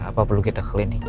apa perlu kita klinik